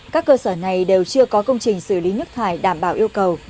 các cơ sở này đều chưa có công trình xử lý nước thải đảm bảo yêu cầu